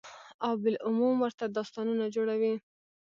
او بالعموم ورته داستانونه جوړوي،